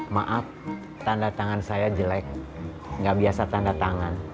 maaf tanda tangan saya jelek nggak biasa tanda tangan